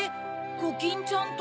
コキンちゃんと？